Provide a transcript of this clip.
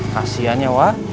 kasian ya wak